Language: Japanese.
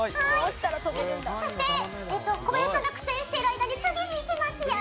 そして小林さんが苦戦している間に次にいきますよ。